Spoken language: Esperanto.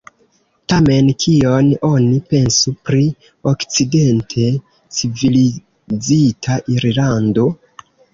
Tamen kion oni pensu pri okcidente civilizita Irlando?